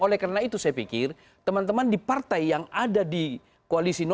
oleh karena itu saya pikir teman teman di partai yang ada di koalisi dua